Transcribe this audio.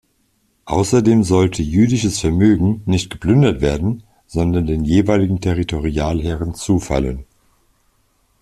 Außerdem sollte jüdisches Vermögen nicht geplündert werden, sondern den jeweiligen Territorialherren zufallen.